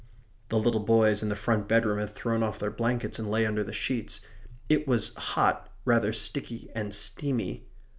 The little boys in the front bedroom had thrown off their blankets and lay under the sheets. It was hot; rather sticky and steamy.